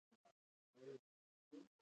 بېنډۍ د ارزانه خوړو له نعمتونو یوه ده